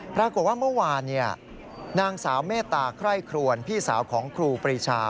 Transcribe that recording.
ปรากฏว่าเมื่อวานนางสาวเมตตาใคร่ครวนพี่สาวของครูปรีชา